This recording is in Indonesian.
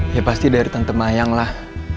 ya pasti dari tante mayang lah